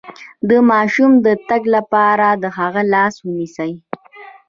د ماشوم د تګ لپاره د هغه لاس ونیسئ